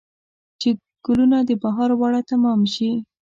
چې ګلونه د بهار واړه تمام شي